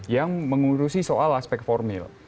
yang mengurusi soal aspek formil